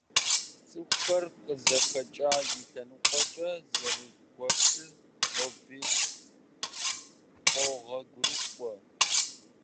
ЦӀыхухэр къызыхэкӀа и лъэныкъуэкӀэ зэрагуэшыр ноби къогъуэгурыкӀуэ.